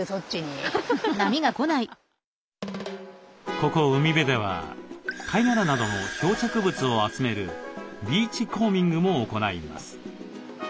ここ海辺では貝殻などの漂着物を集めるビーチコーミングも行います。